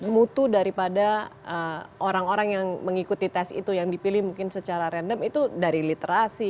mutu daripada orang orang yang mengikuti tes itu yang dipilih mungkin secara random itu dari literasi